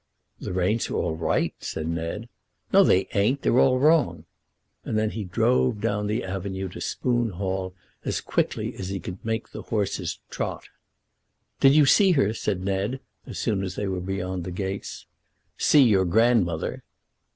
"The reins are all right," said Ned. "No they ain't; they're all wrong." And then he drove down the avenue to Spoon Hall as quickly as he could make the horses trot. "Did you see her?" said Ned, as soon as they were beyond the gates. "See your grandmother."